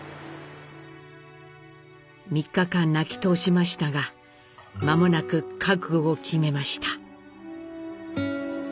３日間泣き通しましたが間もなく覚悟を決めました。